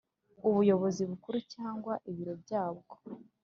Ubuyobozi Bukuru cyangwa Ibiro byabwo